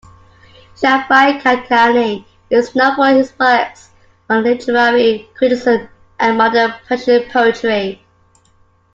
Shafiei-Kadkani is known for his works on literary criticism and modern Persian poetry.